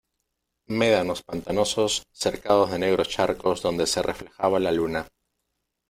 médanos pantanosos cercados de negros charcos donde se reflejaba la luna,